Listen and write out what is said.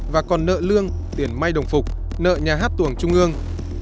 và còn nợ lương tiền may đồng phục nợ nhà hát tuồng trung ương